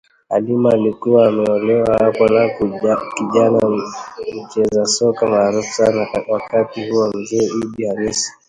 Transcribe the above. Halima aliyekuwa ameolewa hapo na kijana mcheza soka maarufu sana wakati huo Mzee Iddi Hamisi